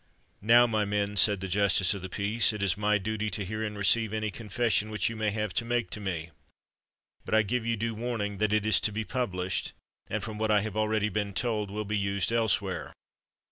"Now, my men," said the Justice of the Peace, "it is my duty to hear and receive any confession which you may have to make to me. But I give you due warning that it is to be published, and, from what I have already been told, will be used elsewhere.